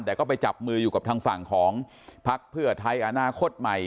แต่ก็ไปจับมืออยู่กับทางฝั่งของพักเพื่อไทยอนาคตใหม่